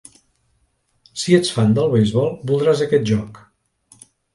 Si ets fan del beisbol, voldràs aquest joc.